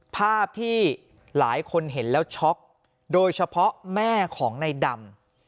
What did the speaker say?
ภาพที่หลายคนเห็นแล้วช็อกโดยเฉพาะแม่ของในดำ